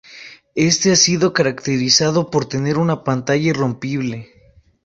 Este ha sido caracterizado por tener una "pantalla irrompible".